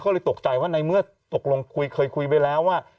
ก็เลยตกใจว่าในเมื่อตกลงคุยเคยคุยไปแล้วว่า